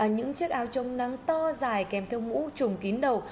những chiếc áo trông nắng to dài kèm theo mũ trùng kín đầu